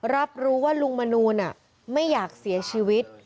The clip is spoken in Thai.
รับรู้ว่าลุงมนูลไม่อยากเสียชีวิต